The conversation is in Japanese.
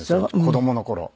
子供の頃。